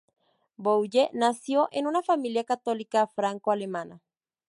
Boulle nació en una familia católica franco-alemana.